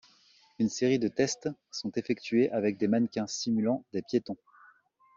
Une série de tests sont effectués avec des mannequins simulant des piétons.